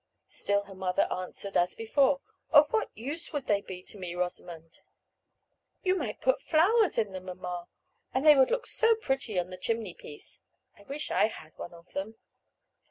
Still her mother answered, as before, "Of what use would they be to me, Rosamond?" "You might put flowers in them, mamma, and they would look so pretty on the chimney piece. I wish I had one of them."